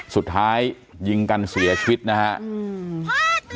สุดท้ายยิงกันเสียชีวิตนะครับ